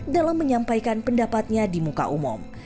dalam menyampaikan pendapatnya di muka umum